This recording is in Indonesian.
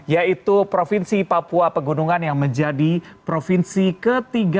yaitu provinsi papua pegunungan yang menjadi provinsi ke tiga puluh